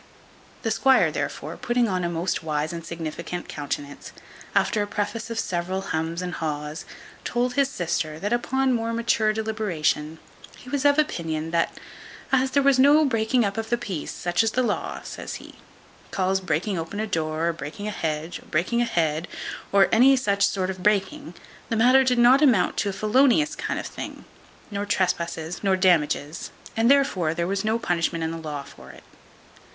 The squire, therefore, putting on a most wise and significant countenance, after a preface of several hums and hahs, told his sister, that upon more mature deliberation, he was of opinion, that "as there was no breaking up of the peace, such as the law," says he, "calls breaking open a door, or breaking a hedge, or breaking a head, or any such sort of breaking, the matter did not amount to a felonious kind of a thing, nor trespasses, nor damages, and, therefore, there was no punishment in the law for it."